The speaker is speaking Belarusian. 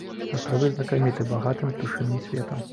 Астравы знакаміты багатым птушыным светам.